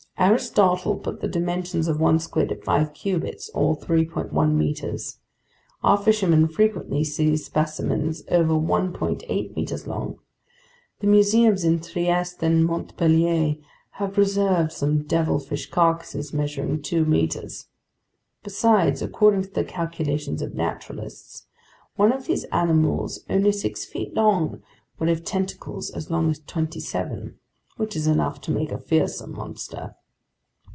Aristotle put the dimensions of one squid at five cubits, or 3.1 meters. Our fishermen frequently see specimens over 1.8 meters long. The museums in Trieste and Montpellier have preserved some devilfish carcasses measuring two meters. Besides, according to the calculations of naturalists, one of these animals only six feet long would have tentacles as long as twenty seven. Which is enough to make a fearsome monster."